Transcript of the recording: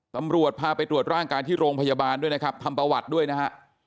ตำรวจพาไปตรวจร่างกายที่โรงพยาบาลด้วยนะครับทำประวัติด้วยนะฮะ